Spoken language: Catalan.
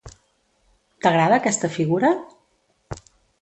T'agrada aquesta figura?